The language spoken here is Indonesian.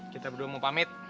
kita berdua mau pamit